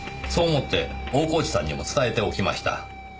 そう思って大河内さんにも伝えておきました。